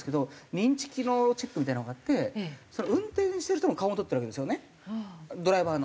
認知機能チェックみたいなのがあって運転してる人の顔も撮ってるわけですよねドライバーの。